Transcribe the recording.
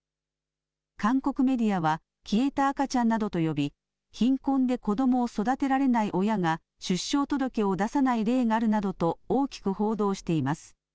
韓国メディアは消えた赤ちゃんなどと呼び貧困で子どもを育てられない親が出生届を出さない例があるなどと大きく報道しています。